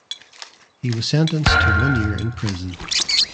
He was sentenced to one year in prison.